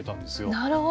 なるほど。